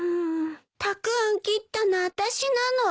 たくあん切ったのあたしなの。